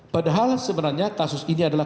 padahal sebenarnya kasus ini adalah